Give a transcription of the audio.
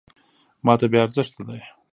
.ماته بې ارزښته دی .